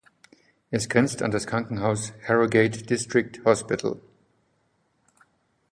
Es grenzt an das Krankenhaus "Harrogate District Hospital".